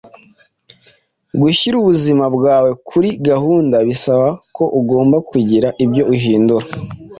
Gushyira ubuzima bwawe kuri gahunda bisaba ko ugomba kugira ibyo uhindura.